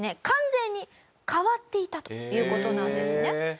完全に変わっていたという事なんですね。